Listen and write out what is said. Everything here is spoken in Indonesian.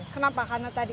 kenapa karena tadi